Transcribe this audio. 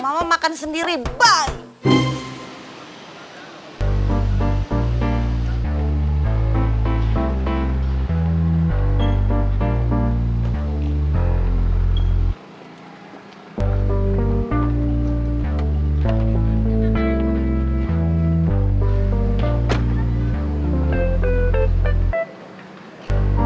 mama makan sendiri bye